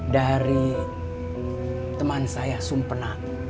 dari teman saya sumpena